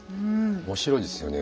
面白いですよね。